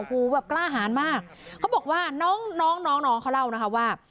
หูแบบกล้าหาญมากเขาบอกว่าน้องน้องน้องเขาเล่านะคะว่า